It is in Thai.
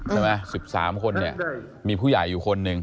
ใช่ไหม๑๓คนนี้มีผู้ใหญ่อยู่คนหนึ่ง